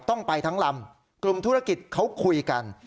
ต้องไปทั้งลำกลุ่มธุรกิจเขาคุยกัน